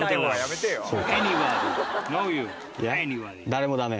誰もダメ？